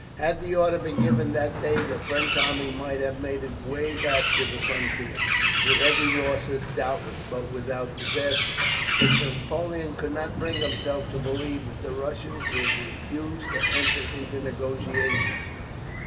Had the order been given that day the French army might have made its way back to the frontier, with heavy loss doubtless, but without disaster. But Napoleon could not bring himself to believe that the Russians would refuse to enter into negotiations.